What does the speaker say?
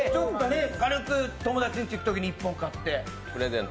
軽く友達の家に行くとき１本買って。